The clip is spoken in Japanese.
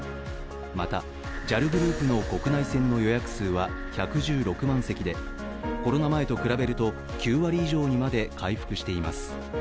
また、ＪＡＬグループの国内線の予約数は１１６万席でコロナ前と比べると９割以上にまで回復しています。